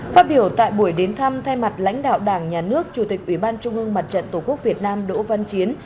phát biểu tại buổi đến thăm thay mặt lãnh đạo đảng nhà nước chủ tịch ủy ban trung ương mặt trận tổ quốc việt nam đỗ văn chiến